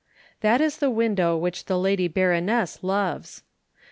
That is the window which the Lady Baroness loves.